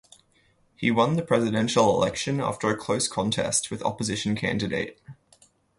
He won the presidential election after a close contest with opposition candidate.